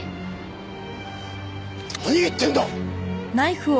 何言ってるんだ！